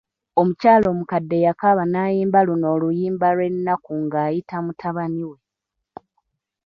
Omukyala omukadde yakaaba nayimba luno oluyimba lw'ennaku ng'ayita mutabani we.